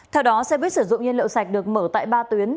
theo đó xe buýt sử dụng nhiên liệu sạch được mở tại ba tuyến